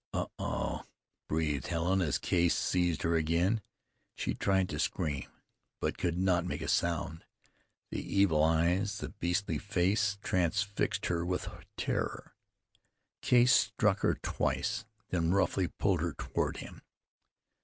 "Oh! oh!" breathed Helen as Case seized her again. She tried to scream, but could not make a sound. The evil eyes, the beastly face, transfixed her with terror. Case struck her twice, then roughly pulled her toward him.